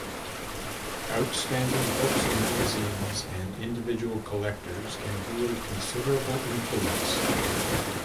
Outstanding books and magazines and individual collectors can wield considerable influence.